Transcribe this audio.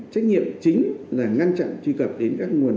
trách nhiệm chính là ngăn chặn truy cập đến các nguồn